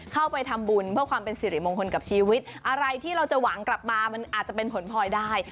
เข้าไปทำบุญเพื่อความเป็นสิริมงคลกับชีวิตอะไรที่เราจะหวังกลับมามันอาจจะเป็นผลพลอยได้